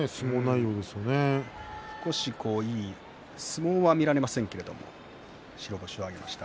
いい相撲は見られませんけれども白星を挙げました。